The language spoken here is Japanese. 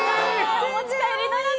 お持ち帰りならず。